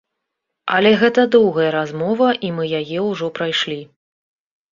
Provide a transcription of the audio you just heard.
Але гэта доўгая размова, і мы яе ўжо прайшлі.